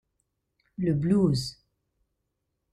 Le blues.